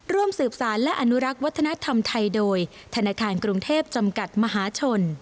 ร่วมสืบสารและอนุรักษ์วัฒนธรรมไทยโดยธนาคารกรุงเทพจำกัดมหาชน